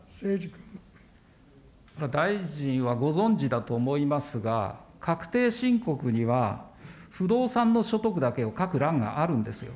大臣はご存じだと思いますが、確定申告には、不動産の所得だけを書く欄があるんですよ。